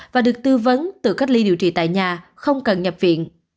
và được tư vấn tự cách ly điều trị tại nhà không cần nhập viện